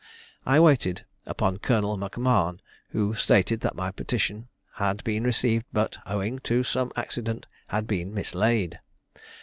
I waited upon Colonel MacMahon, who stated that my petition had been received, but, owing to some accident, had been mislaid.